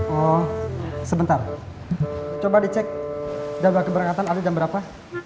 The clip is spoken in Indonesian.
oh sebentar coba dicek jadwal keberangkatan hari jam berapa